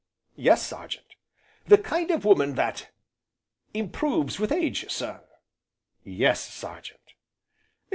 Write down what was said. "Yes, Sergeant!" "The kind of woman that improves with age, sir!" "Yes, Sergeant."